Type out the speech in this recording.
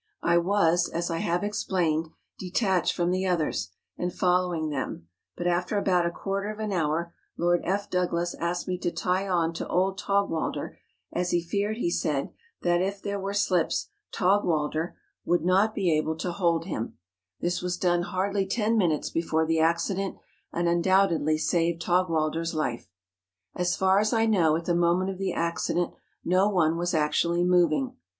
I was, as I have explained, detached from the others, and following them ; but after about a quar¬ ter of an hour Lord F. Douglas asked me to tie on to old Taugwalder, as he feared, he said, that if there were slips Taugwalder would not be able to 104 MOUNTAIN ADVENTUKES. hold him. This was done hardly ten minutes before the accident, and undoubtedly saved Taugwalder's life. As far as I know, at the moment of the acci¬ dent, no one was actually moving.